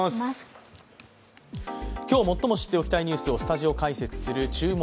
今日最も知っておきたいニュースをスタジオ解説する「注目！